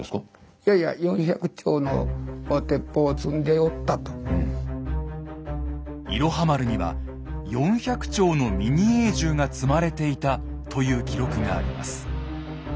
いやいや「いろは丸」には４００丁のミニエー銃が積まれていたという記録があります。